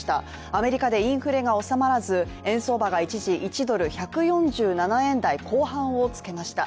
アメリカでインフレが収まらず円相場が一時１ドル＝１４７円台後半をつけました。